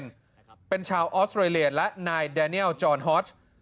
เป็นชาวออสเตรเลียและนายแดเนียลจอนฮอช